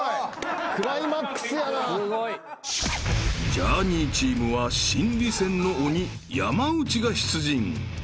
［ジャーニーチームは心理戦の鬼山内が出陣］